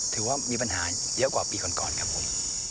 ถือว่ามีปัญหาเยอะกว่าปีก่อนครับผม